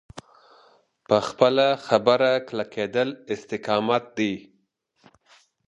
په خپله خبره کلکېدل استقامت دی.